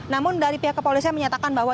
namun dari pihak kepolisian menyatakan bahwa